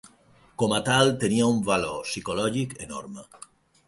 Com a tal, tenia un valor psicològic enorme.